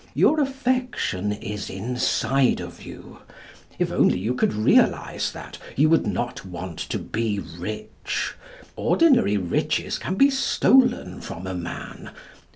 Your affection is inside of you. If only you could realise that, you would not want to be rich. Ordinary riches can be stolen from a man.